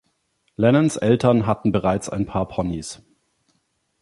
Lennons Eltern hatten bereits ein paar Ponys.